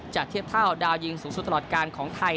เทียบเท่าดาวยิงสูงสุดตลอดการของไทย